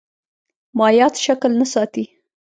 مایعات شکل نه ساتي.